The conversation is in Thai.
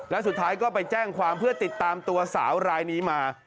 และสุดท้ายก็ไปแจ้งความเพื่อติดตามตัวสาวรายนี้มา